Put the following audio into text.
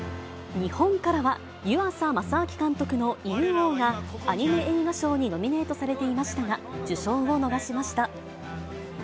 日本からは、湯浅政明監督の犬王が、アニメ映画賞にノミネートされていましたが、受賞を逃しました。